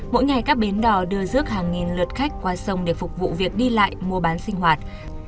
mỗi ngày các bến đò đưa rước hàng nghìn lượt khách qua sông để phục vụ việc đi lại mua bán sinh hoạt